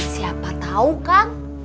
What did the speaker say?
siapa tahu kang